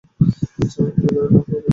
আচ্ছা, ওকে ভিতরে ডাকো, রিবিয়েরো।